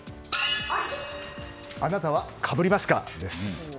あなたはかぶりますか？です。